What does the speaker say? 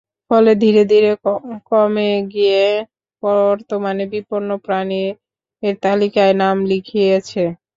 ফলে ধীরে ধীরে কমে গিয়ে বর্তমানে বিপন্ন প্রাণীর তালিকায় নাম লিখিয়েছে।